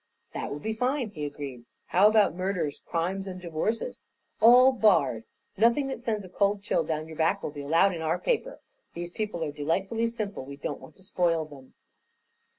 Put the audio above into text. "That will be fine," he agreed. "How about murders, crimes and divorces?" "All barred. Nothing that sends a cold chill down your back will be allowed in our paper. These people are delightfully simple; we don't want to spoil them."